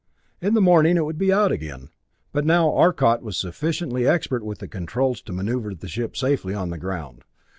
In the morning it would be out again. But now Arcot was sufficiently expert with the controls to maneuver the ship safely on the ground.